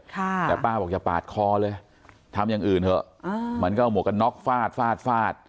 แต่ป้าบอกอย่าปาดคอเลยทำอย่างอื่นเถอะมันก็เอาหมวกกันน็อกฟาดฟาดฟาด